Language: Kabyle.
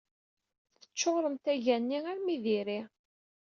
Teccuṛemt aga-nni armi d iri.